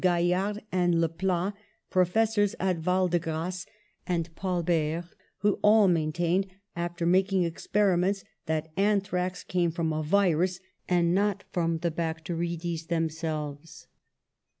Gaillard and Leplat, professors at Val de Grace, and Paul Bert, who all maintained, after making experiments, that anthrax came from a virus, and not from the bacterides themselves.